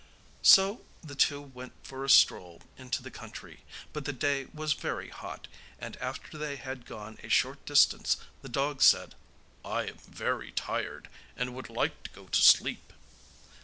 So the two went for a stroll into the country; but the day was very hot, and after they had gone a short distance the dog said: 'I am very tired, and would like to go to sleep.